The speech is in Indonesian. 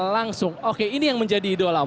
langsung oke ini yang menjadi idola